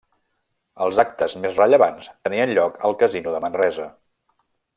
Els actes més rellevants tenien lloc al Casino de Manresa.